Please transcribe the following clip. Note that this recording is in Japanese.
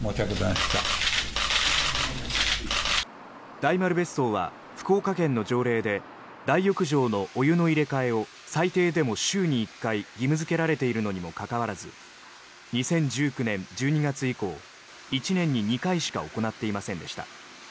大丸別荘は福岡県の条例で大浴場のお湯の入れ替えを最低でも週に１回義務付けられているのにもかかわらず２０１９年１２月以降１年に２回しか行っていませんでした。